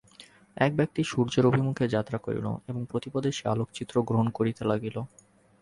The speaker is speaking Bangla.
এক ব্যক্তি সূর্যের অভিমুখে যাত্রা করিল এবং প্রতি পদে সে আলোকচিত্র গ্রহণ করিতে লাগিল।